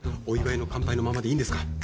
お祝いの乾杯のままでいいんですか？